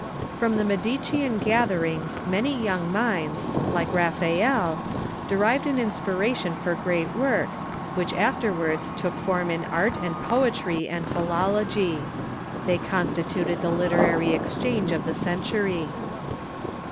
From the Medicean gatherings many young minds, like Raphael, derived an inspiration for great work, which afterwards took form in art and poetry and philology. They constituted the literary exchange of the century.